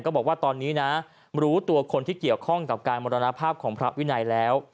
บอกว่าตอนนี้นะรู้ตัวคนที่เกี่ยวข้องกับการมรณภาพของพระวินัยแล้ว